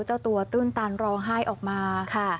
เจ้าตัวตื้นตันร้องไห้ออกมาค่ะ